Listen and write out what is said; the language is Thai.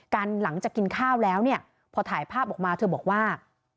หลังจากกินข้าวแล้วเนี่ยพอถ่ายภาพออกมาเธอบอกว่า